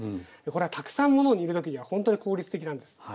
これはたくさんものを煮る時にはほんとに効率的なんです。